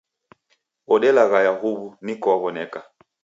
Odelaghaya huw'u niko waw'oneka